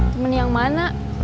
temen yang mana